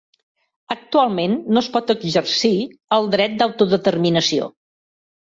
Actualment no es pot exercir el dret d'autodeterminació.